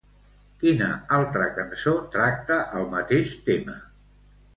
Quina altra cançó tracta el mateix tema?